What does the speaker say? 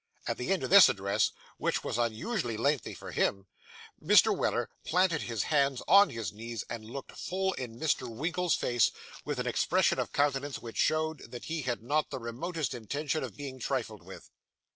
At the end of this address, which was unusually lengthy for him, Mr. Weller planted his hands on his knees, and looked full in Mr. Winkle's face, with an expression of countenance which showed that he had not the remotest intention of being trifled with.